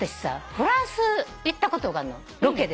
フランス行ったことがあんのロケでね。